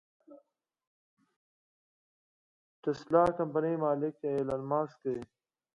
د ټسلا کمپنۍ مالک ايلام مسک دې.